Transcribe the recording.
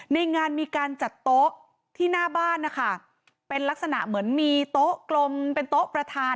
ในงานมีการจัดโต๊ะที่หน้าบ้านนะคะเป็นลักษณะเหมือนมีโต๊ะกลมเป็นโต๊ะประธาน